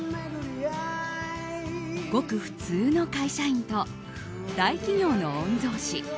ごく普通の会社員と大企業の御曹司。